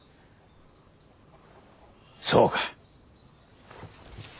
そうか。